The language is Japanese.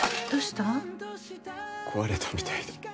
壊れたみたいで。